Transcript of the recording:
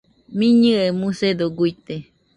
Miñɨe musedo guite